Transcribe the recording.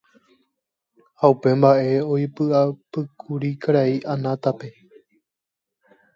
ha upe mba'e oipy'apýkuri karai Anatápe.